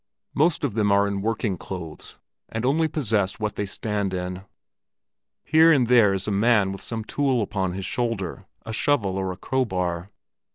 Most of them are in working clothes and only possess what they stand in. Here and there is a man with some tool upon his shoulder—a shovel or a crowbar.